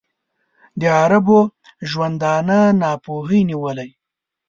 د عربو د ژوندانه ناپوهۍ نیولی.